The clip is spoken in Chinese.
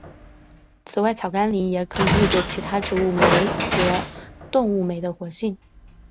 此外草甘膦也可以抑制其他植物酶和动物酶的活性。